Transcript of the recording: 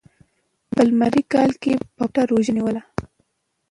په لومړي کال کې یې په پټه روژه نیوله.